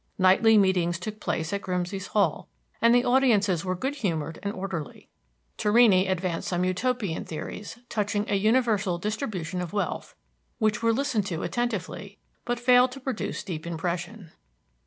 Nightly meetings took place at Grimsey's Hall, and the audiences were good humored and orderly. Torrini advanced some Utopian theories touching a universal distribution of wealth, which were listened to attentively, but failed to produce deep impression.